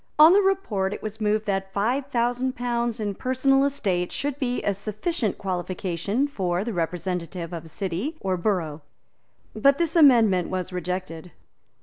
On the report it was moved that five thousand pounds in personal estate should be a sufficient qualification for the representative of a city or borough. But this amendment was rejected.